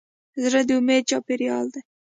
زړه د امید چاپېریال دی.